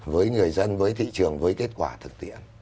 với người dân với thị trường với kết quả thực tiễn